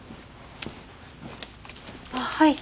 あっはい。